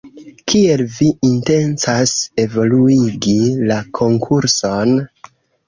Kiel vi intencas evoluigi la konkurson?